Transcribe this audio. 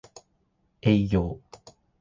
営業